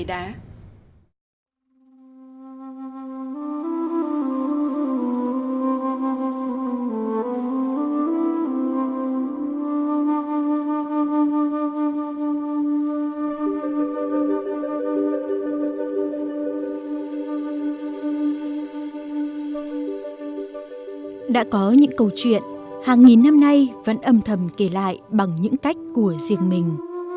đã có những câu chuyện hàng nghìn năm nay vẫn âm thầm kể lại bằng những cách của riêng mình